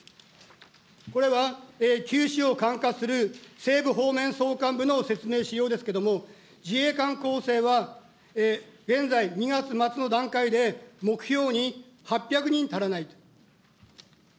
これは九州を管轄する西部方面総監部の説明資料ですけども、自衛官候補生は現在２月末の段階で目標に８００人足らないと。